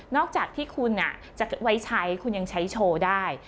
จากที่คุณจะไว้ใช้คุณยังใช้โชว์ได้